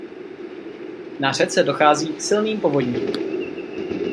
Na řece dochází k silným povodním.